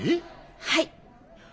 はい。